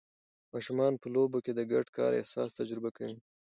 ماشومان په لوبو کې د ګډ کار احساس تجربه کوي.